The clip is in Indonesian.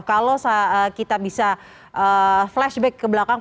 kalau kita bisa flashback ke belakang